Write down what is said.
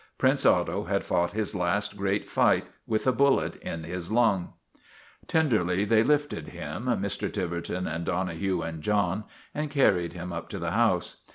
Prince Otto had fought his last great fight with a bullet in his lung. Tenderly they lifted him, Mr. Tiverton and Dono hue and John, and carried him up to the house.